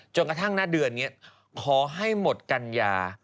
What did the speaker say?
กระทั่งณเดือนนี้ขอให้หมดกัญญา